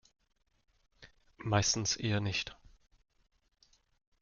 Meistens eher nicht.